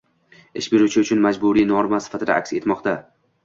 ish beruvchi uchun majburiy norma sifatida aks etmoqda.